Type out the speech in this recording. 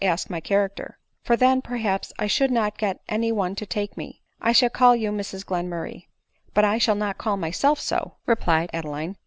ask my character; for then perhaps I should not get any one to take me. I shall call you Mrs Glenmurray." " But I shaB not call myself so," replied Adeline.